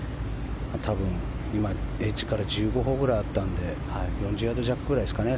多分、今、エッジから１５歩くらいあったので４０ヤード弱ぐらいですかね。